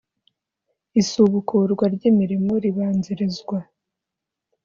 Isubukurwa ry,imirimo ribanzirizwa